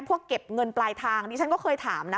เก็บเงินปลายทางดิฉันก็เคยถามนะ